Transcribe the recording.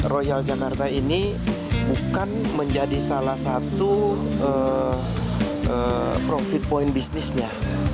royal jakarta ini bukan menjadi salah satu profit point bisnisnya